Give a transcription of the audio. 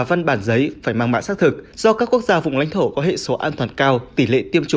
văn bản giấy phải mang mã xác thực do các quốc gia vùng lãnh thổ có hệ số an toàn cao tỷ lệ tiêm chủng